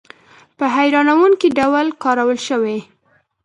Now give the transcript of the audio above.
په هیرانوونکې ډول کارول شوي.